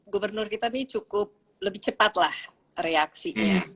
gubernur kita ini cukup lebih cepat lah reaksinya